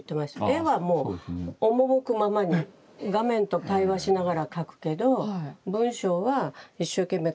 絵はもう赴くままに画面と対話しながら描くけど文章は一生懸命考え。